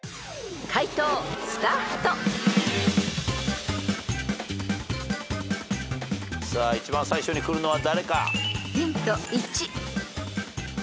［解答スタート］さあ一番最初にくるのは誰か？